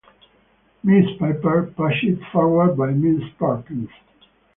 Mrs. Piper pushed forward by Mrs. Perkins.